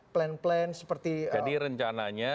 plan plan seperti jadi rencananya